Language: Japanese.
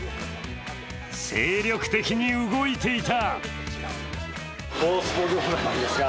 精力的に動いていた。